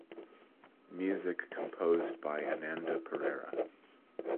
Music composed by Ananda Perera.